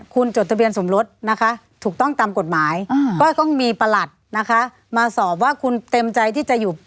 ก็ต้องมีประหลัดนะคะมาสอบว่าคุณเต็มใจที่จะอยู่